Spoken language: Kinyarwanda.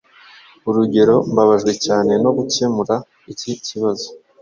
Urugero “Mbabajwe cyane no gukemura iki kibazo